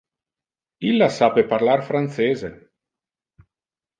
Illa sape parlar francese.